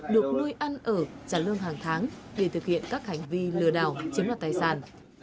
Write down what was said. được nuôi ăn ở trả lương hàng tháng để thực hiện các hành vi lừa đảo chiếm đoạt tài sản